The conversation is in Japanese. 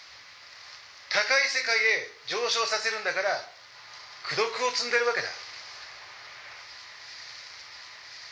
高い世界へ上昇させるんだから功徳を積んでるわけだ。